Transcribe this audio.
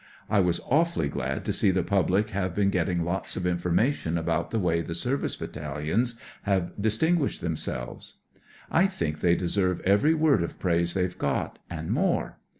I was awfully glad to see the public have been getting lots of information about the way the Service Battalions have distinguished chemselves. I think they deserve every word of praise they've got, and more.